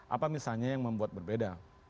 apa misalnya yang membuat berbeda